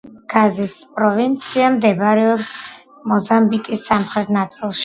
გაზის პროვინცია მდებარეობს მოზამბიკის სამხრეთ ნაწილში.